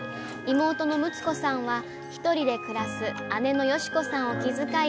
妹の睦子さんは１人で暮らす姉の良子さんを気遣い